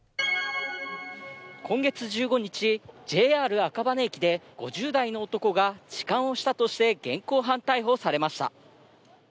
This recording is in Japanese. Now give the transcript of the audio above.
今月１５日、ＪＲ赤羽駅で５０代の男が痴漢をしたとして現行犯逮捕されました。